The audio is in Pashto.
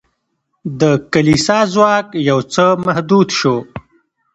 د کلیسا ځواک یو څه محدود شو.